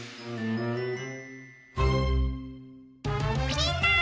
みんな！